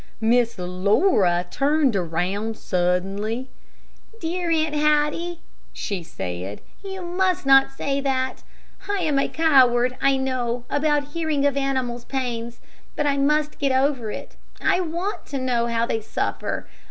Miss Laura turned around suddenly. "Dear Aunt Hattie," she said, "you must not say that. I am a coward, I know, about hearing of animals' pains, but I must get over it, I want to know how they suffer.